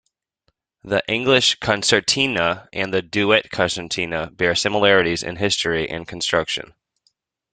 The "English concertina" and the "Duet concertina" bear similarities in history and construction.